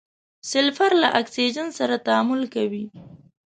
سلفر له اکسیجن سره تعامل کوي.